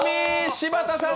柴田さん